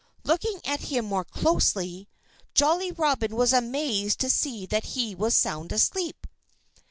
Looking at him more closely, Jolly Robin was amazed to see that he was sound asleep.